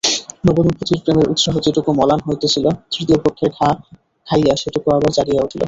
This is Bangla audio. নবদম্পতির প্রেমের উৎসাহ যেটুকু মলান হইতেছিল, তৃতীয়ক্ষপের ঘা খাইয়া সেটুকু আবার জাগিয়া উঠিল।